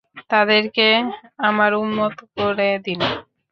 তাদেরকে আমার উম্মত করে দিন।